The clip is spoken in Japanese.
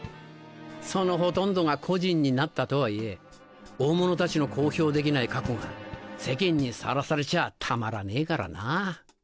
そのほとんどが故人になったとはいえ大物たちの公表できない過去が世間にさらされちゃたまらねえからな。